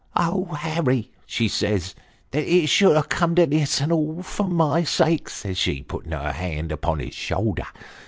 ' Oh, Harry !' she says, ' that it should have come to this ; and all for niy sake,' says she, putting her hand upon his shoulder.